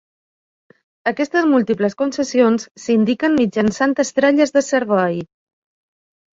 Aquestes múltiples concessions s'indiquen mitjançant estrelles de servei.